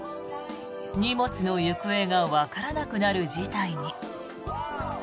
荷物の行方がわからなくなる事態に。